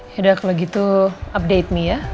yaudah kalau gitu update me ya